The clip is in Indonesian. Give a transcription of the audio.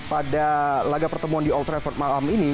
pada laga pertemuan di old trafford malam ini